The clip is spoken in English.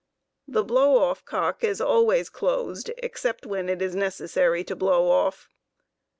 The blow off cock 46 is always closed except when it is necessary to blpw off.